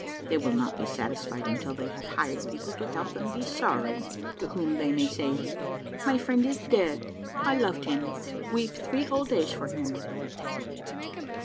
They will not be satisfied until they have hired people to help them be sorry, to whom they may say, 'My friend is dead; I loved him. Weep three whole days for him.